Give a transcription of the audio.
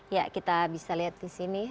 ya kita bisa lihat di sini